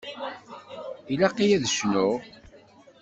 Ilaq-iyi ad cnuɣ?